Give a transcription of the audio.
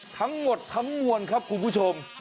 ทั้งหมดทั้งมวลครับคุณผู้ชม